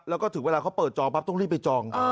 แล้วก็ถึงเวลาเขาเปิดจองปั๊บต้องรีบไปจอง